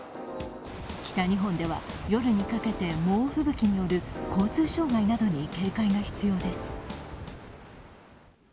北日本では夜にかけて猛吹雪による交通障害などに警戒が必要です。